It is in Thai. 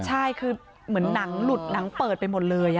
ใช่คือเหมือนหนังหลุดหนังเปิดไปหมดเลย